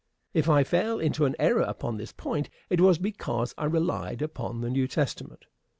If I fell into an error upon this point it was because I relied upon the New Testament.